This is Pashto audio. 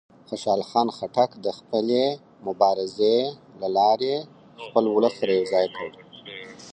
خوشحال خان خټک د خپلې مبارزې له لارې خپل ولس سره یو ځای کړ.